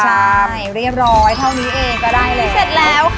กระเทียมเจียวอันนี้ก็คือตำเอง